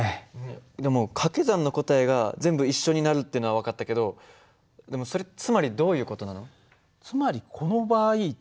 でも掛け算の答えが全部一緒になるっていうのは分かったけどでもそれつまりどういう事なの？